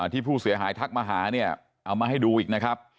ที่ผู้เสียหายทักมาหาเนี่ยเอามาให้ดูอีกนะครับ